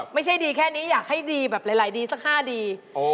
ไม่ใช่ดีแค่นี้อยากให้ดีแบบหลายดีสัก๕ดี